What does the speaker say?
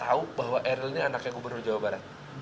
tahu bahwa eril ini anaknya gubernur jawa barat